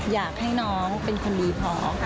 อยากให้น้องเป็นคนดีพอค่ะ